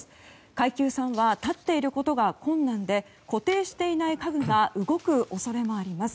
階級３は立っていることが困難で固定していない家具が動く恐れもあります。